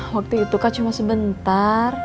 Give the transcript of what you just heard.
waktu itu kan cuma sebentar